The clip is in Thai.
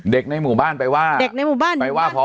เด็กในหมู่บ้านไปหว่า